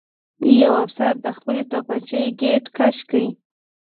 یوه افسر د خپلې توپانچې ګېټ کش کړ